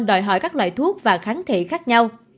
đòi hỏi các loại thuốc và kháng thể khác nhau